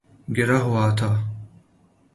گرا ہوا تھا